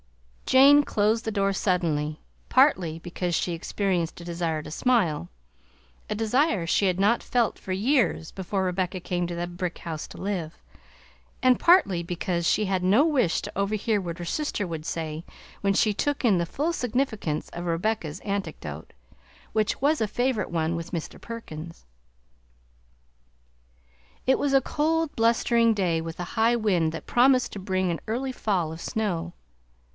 Jane closed the door suddenly, partly because she experienced a desire to smile (a desire she had not felt for years before Rebecca came to the brick house to live), and partly because she had no wish to overhear what her sister would say when she took in the full significance of Rebecca's anecdote, which was a favorite one with Mr. Perkins. It was a cold blustering day with a high wind that promised to bring an early fall of snow.